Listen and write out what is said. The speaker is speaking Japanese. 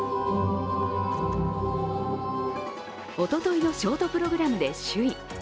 おとといのショートプログラムで首位。